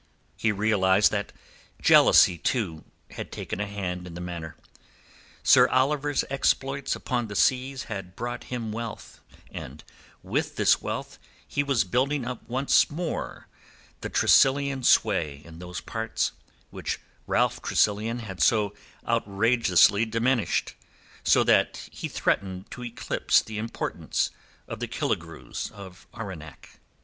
He realized that jealousy, too, had taken a hand in the matter. Sir Oliver's exploits upon the seas had brought him wealth, and with this wealth he was building up once more the Tressilian sway in those parts, which Ralph Tressilian had so outrageously diminished, so that he threatened to eclipse the importance of the Killigrews of Arwenack.